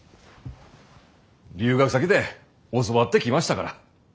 留学先で教わってきましたから。